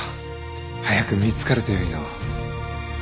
早く見つかるとよいのぅ。